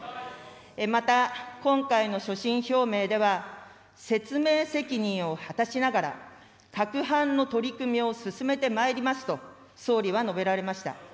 また、今回の所信表明では、説明責任を果たしながら、各般の取組を進めてまいりますと、総理は述べられました。